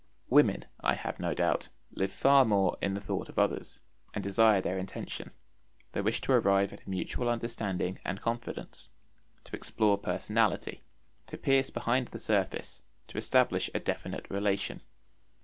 Women, I have no doubt, live far more in the thought of others, and desire their intention; they wish to arrive at mutual understanding and confidence, to explore personality, to pierce behind the surface, to establish a definite relation.